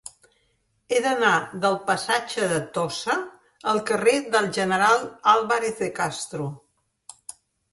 He d'anar del passatge de Tossa al carrer del General Álvarez de Castro.